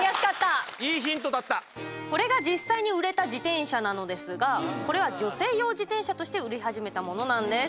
これが実際に売れた自転車なのですがこれは女性用自転車として売り始めたものなんです。